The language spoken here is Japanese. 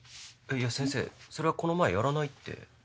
いや先生それはこの前やらないって。